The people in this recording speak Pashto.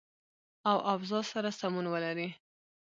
او اوضاع سره سمون ولري